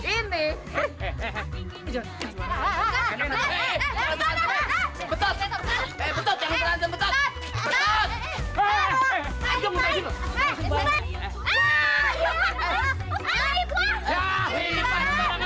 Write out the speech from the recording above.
yang ini apa yang ini